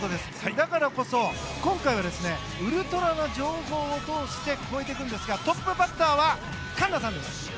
だからこそ、今回はウルトラな情報をとおして超えていきますがトップバッターは環奈さんです。